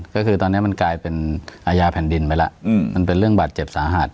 ก็คือตอนนี้มันกลายเป็นอาญาแผ่นดินไปแล้วมันเป็นเรื่องบาดเจ็บสาหัส